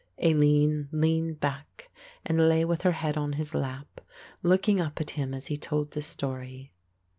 Aline leaned back and lay with her head on his lap, looking up at him as he told the story.